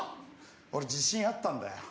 俺自信あったんだよ。